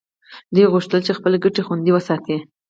دوی غوښتل چې خپلې ګټې خوندي وساتي